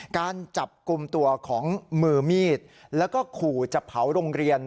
การจับกลุ่มตัวของมือมีดแล้วก็ขู่จะเผาโรงเรียน